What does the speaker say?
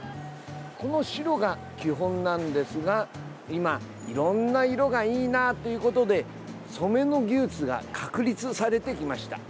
この白が基本なんですが今いろんな色がいいなということで染めの技術が確立されてきました。